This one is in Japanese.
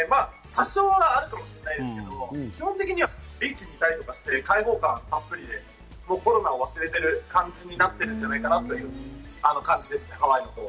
多少はあるかもしれないですけど、基本的にはビーチにいたりとかして、開放感たっぷりでコロナを忘れている感じになっているんじゃないかなという感じです。